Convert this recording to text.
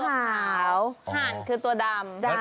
ห่านคือตัวดำ